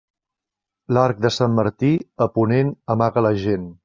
L'arc de Sant Martí a ponent amaga la gent.